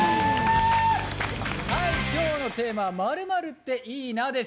はい今日のテーマは「○○っていいなぁ」です。